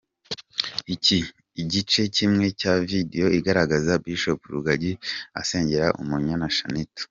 Igice kimwe cya video igaragaza Bishop Rugagi asengera Umunyana Shanitah.